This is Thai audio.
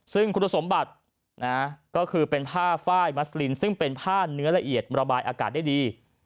ซึ่งคุณสมบัติก็คือเป็นผ้าไฟล์มัสลินซึ่งเป็นผ้าเนื้อละเอียดระบายอากาศได้ดี